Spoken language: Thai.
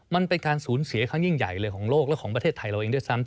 มันเป็นการสูญเสียครั้งยิ่งใหญ่เลยของโลกและของประเทศไทยเราเองด้วยซ้ำ